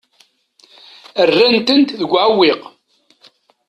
Rran-tent deg uɛewwiq.